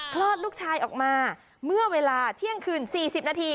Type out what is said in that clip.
คลอดลูกชายออกมาเมื่อเวลาเที่ยงคืน๔๐นาที